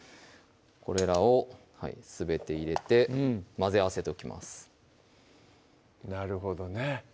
これらをすべて入れて混ぜ合わせておきますなるほどね